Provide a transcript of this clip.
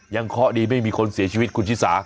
ยังข้อดีไม่มีคนเสียชีวิตคุณชิสา